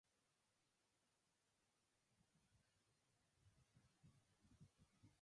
There may be many more out there with different and unique names.